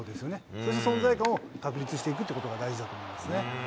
そして存在感を確立していくということが大事だと思いますね。